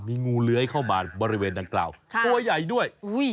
มีงูเลื้อยเข้ามาบริเวณดังกล่าวตัวใหญ่ด้วย